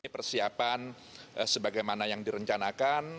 persiapan sebagaimana yang direncanakan